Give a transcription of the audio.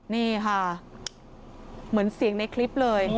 นี่ค่ะเหมือนเสียงในคลิปเลย